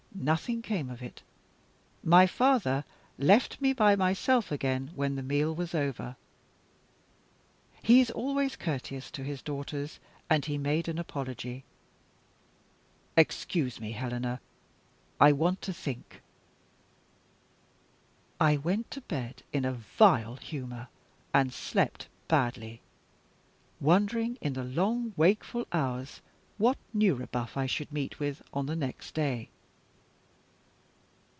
Nothing came of it. My father left me by myself again, when the meal was over. He is always courteous to his daughters; and he made an apology: "Excuse me, Helena, I want to think." ....... I went to bed in a vile humor, and slept badly; wondering, in the long wakeful hours, what new rebuff I should meet with on the next day.